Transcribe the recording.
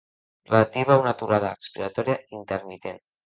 Relativa a una aturada respiratòria intermitent.